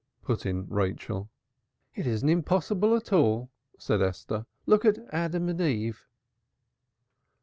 put in Rachel. "It isn't impossible at all," said Esther. "Look at Adam and Eve!"